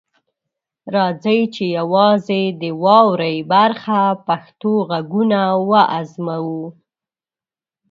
راځئ چې یوازې د "واورئ" برخه کې پښتو غږونه وازموو.